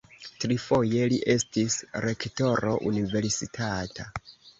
Trifoje li estis rektoro universitata.